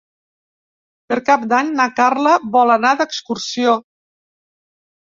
Per Cap d'Any na Carla vol anar d'excursió.